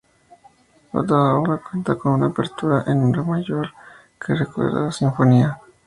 La obra cuenta con una apertura en re mayor que recuerda la sinfonía Op.